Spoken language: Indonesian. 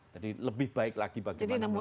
jadi lebih baik lagi bagaimana